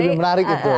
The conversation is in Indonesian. itu lebih menarik gitu